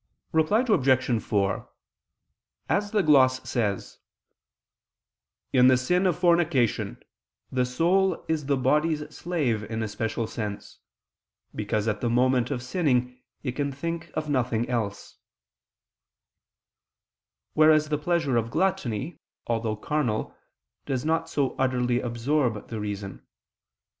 Reply Obj. 4: As the gloss says, "in the sin of fornication the soul is the body's slave in a special sense, because at the moment of sinning it can think of nothing else": whereas the pleasure of gluttony, although carnal, does not so utterly absorb the reason.